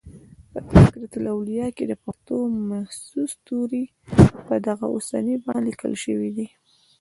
په" تذکرة الاولیاء" کښي دپښتو مخصوص توري په دغه اوسنۍ بڼه لیکل سوي دي.